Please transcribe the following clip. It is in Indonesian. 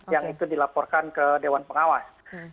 yang itu dilaporkan ke dewan pengawas